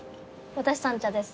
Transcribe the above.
私三茶です。